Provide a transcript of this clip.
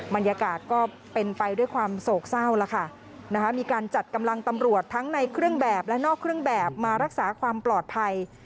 บรรยากาศก็เป็นไปด้วยความโศกเศร้าแล้วค่ะมีการจัดกำลังตำรวจทั้งในเครื่องแบบและนอกเครื่องแบบมารักษาความปลอดภัย